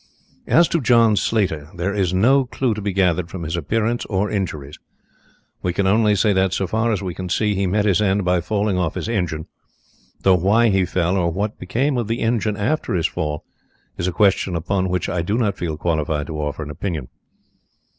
"As to John Slater, there is no clue to be gathered from his appearance or injuries. We can only say that, so far as we can see, he met his end by falling off his engine, though why he fell, or what became of the engine after his fall, is a question upon which I do not feel qualified to offer an opinion."